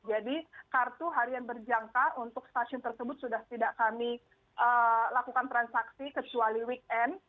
jadi kartu harian berjangka untuk stasiun tersebut sudah tidak kami lakukan transaksi kecuali weekend